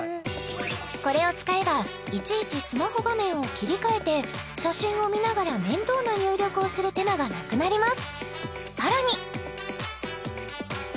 これを使えばいちいちスマホ画面を切り替えて写真を見ながら面倒な入力をする手間がなくなります